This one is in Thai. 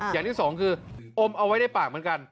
อย่างที่สองคืออมเอาไว้ในปากเหมือนกัน